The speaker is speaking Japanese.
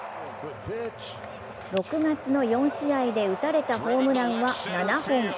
６月の４試合で打たれたホームランは７本。